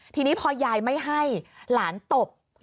ทีนี้พอยายไม่ให้หลานตบ